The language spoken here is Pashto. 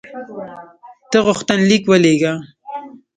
ته غوښتنلیک ولېږه.